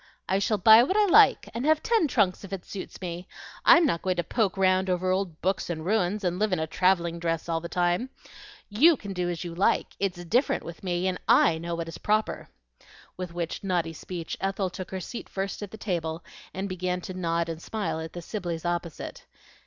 "I shall buy what I like, and have ten trunks if it suits me. I'm not going to poke round over old books and ruins, and live in a travelling dress all the time. You can do as you like; it's different with me, and I know what is proper." With which naughty speech Ethel took her seat first at the table, and began to nod and smile at the Sibleys opposite.